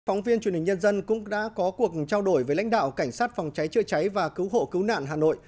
phóng viên truyền hình nhân dân cũng đã có cuộc trao đổi với lãnh đạo cảnh sát phòng cháy chữa cháy và cứu hộ cứu nạn hà nội